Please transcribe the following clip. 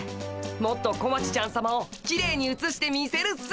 もっと小町ちゃんさまをきれいにうつしてみせるっす。